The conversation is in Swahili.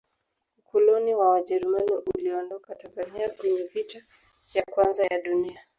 ukoloni wa ujerumani uliondoka tanzania kwenye vita ya kwanza ya dunia